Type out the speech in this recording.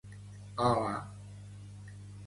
hola